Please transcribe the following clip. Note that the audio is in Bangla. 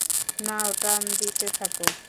নাও টান দিতে থাকো।